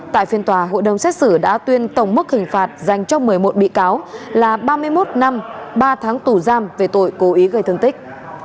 tại phiên tòa hội đồng xét xử đã tuyên tổng mức hình phạt dành cho một mươi một bị cáo là ba mươi một năm ba tháng tù giam về tội cố ý gây thương tích